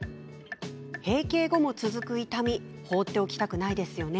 閉経後も続く痛み放っておきたくないですよね。